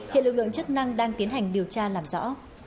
hiện lực lượng chức năng đang tiến hành điều tra làm rõ